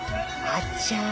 あちゃ